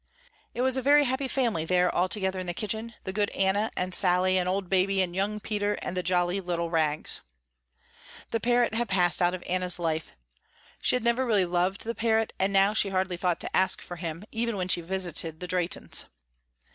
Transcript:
It was a very happy family there all together in the kitchen, the good Anna and Sally and old Baby and young Peter and the jolly little Rags. The parrot had passed out of Anna's life. She had really never loved the parrot and now she hardly thought to ask for him, even when she visited the Drehtens.